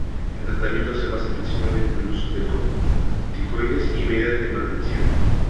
El tratamiento se basa principalmente en el uso de corticoides y medidas de mantención.